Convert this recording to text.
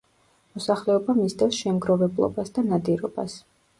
მოსახლეობა მისდევს შემგროვებლობას და ნადირობას.